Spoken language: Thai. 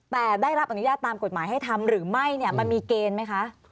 แต่ได้รับอนุญาตตามกฎหมายให้ทำหรือไม่เนี่ยมันมีเกณฑ์ไหมคะ